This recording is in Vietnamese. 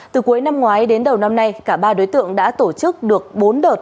từ cuối năm ngoái đến đầu năm nay cả ba đối tượng đã tổ chức được bốn đợt